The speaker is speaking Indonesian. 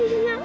kau dengar om